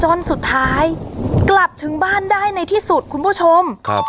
จนสุดท้ายกลับถึงบ้านได้ในที่สุดคุณผู้ชมครับ